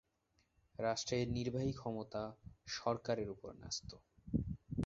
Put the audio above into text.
রাষ্ট্রের নির্বাহী ক্ষমতা সরকারের উপর ন্যস্ত।